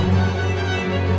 ramai aja itu coward